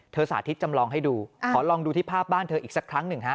สาธิตจำลองให้ดูขอลองดูที่ภาพบ้านเธออีกสักครั้งหนึ่งฮะ